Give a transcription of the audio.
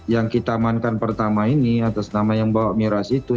yang kita amankan pertama ini atas nama yang bawa miras itu